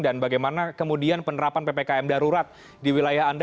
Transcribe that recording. dan bagaimana kemudian penerapan ppkm darurat di wilayah anda